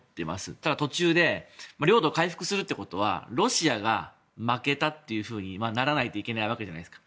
ただ、途中で領土回復するということはロシアが負けたっていうふうにならないといけないわけじゃないですか。